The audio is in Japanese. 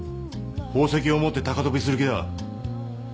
宝石を持って高飛びする気だ。